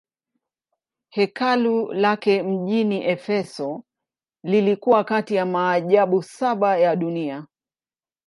Hekalu lake mjini Efeso lilikuwa kati ya maajabu saba ya dunia.